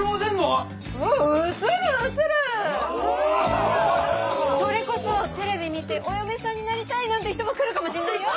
あっそれこそテレビ見てお嫁さんになりたいなんて人も来るかもしんないよ？